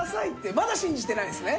まだ信じてないんですね？